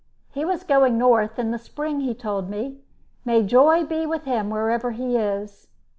He was going North in the spring, he told me. May joy be with him wherever he is!